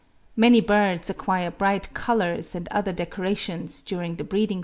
Many birds acquire bright colours and other decorations during the breeding season alone.